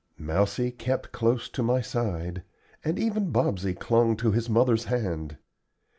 Mousie kept close to my side, and even Bobsey clung to his mother's hand.